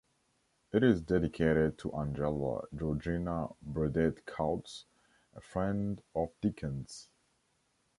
It is dedicated to Angela Georgina Burdett-Coutts, a friend of Dickens.